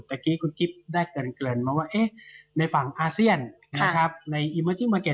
เมื่อกี้คุณกิ๊บได้เกินมาว่าในฝั่งอาเซียนนะครับในอีเมอร์จิมาร์เก็